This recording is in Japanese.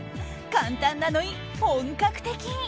簡単なのに本格的！